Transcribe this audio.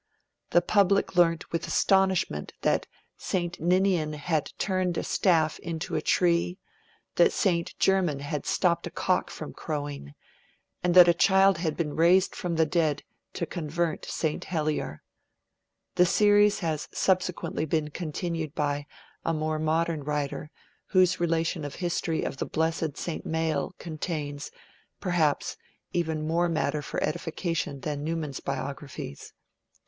The public learned with astonishment that St Ninian had turned a staff into a tree; that St. German had stopped a cock from crowing, and that a child had been raised from the dead to convert St. Helier. The series has subsequently been continued by a more modern writer whose relation of the history of the blessed St. Mael contains, perhaps, even more matter for edification than Newman's biographies.